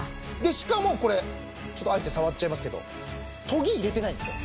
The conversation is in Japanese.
しかもこれあえて触っちゃいますけど研ぎ入れてないんですね。